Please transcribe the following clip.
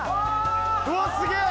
うわっすげえ！